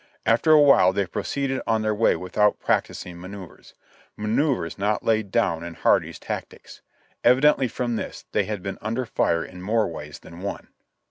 After a while they pro ceeded on their way without practicing manoeuvres — manoeuvres not laid down in Hardee's Tactics. Evidently from this, they had been under fire in more ways than one.